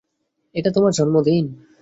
এটা তোমার জন্মদিন।